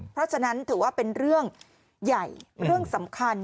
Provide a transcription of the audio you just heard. เพราะฉะนั้นถือว่าเป็นเรื่องใหญ่เรื่องสำคัญ